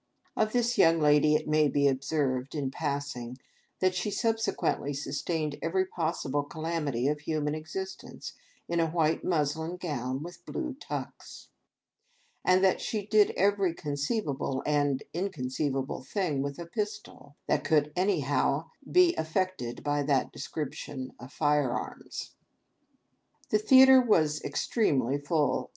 Of this young lady, it may be observed, in passing, that she subsequently sustained every possible calamity of human existence in a white muslin gown with blue tucks; and that she did every conceivable and inconceivable thing with a pistol, that could anyhow be effected by that description of firearms. The Theatre was extremely full.